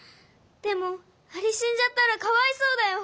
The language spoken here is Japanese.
でもアリしんじゃったらかわいそうだよ。